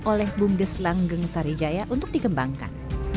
oleh bumdes langgeng sari jaya untuk dikembangkan